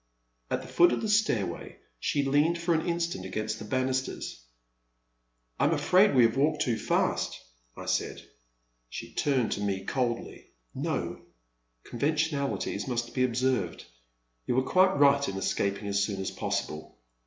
At the foot of the stairway she leaned for an instant against the banisters. '' I am afraid we have walked too fast,'' I said. She turned to me coldly. No, — conventional ities must be observed. You were quite right in escaping as soon as possible."